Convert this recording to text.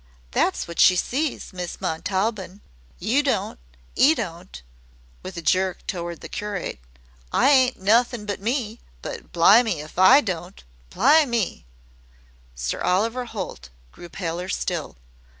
That's what she sees, Miss Montaubyn. You don't, 'E don't," with a jerk toward the curate. "I ain't nothin' but ME, but blimme if I don't blimme!" Sir Oliver Holt grew paler still.